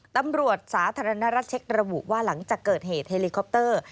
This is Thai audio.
ตำรวจสาธารณรัฐเช็คระบุว่าหลังจากเกิดเหตุเฮลิคอปเตอร์